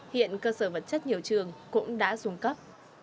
hiện cơ sở vật chất nhiều trường cũng đã dùng cấp